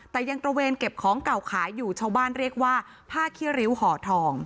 แต่ยังตระเวนเก็บของเก่าขายอยู่ชาวบ้านเรียกว่าผ้าเขี้ยริ้วห่อทอง